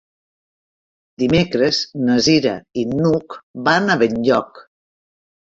Dimecres na Cira i n'Hug van a Benlloc.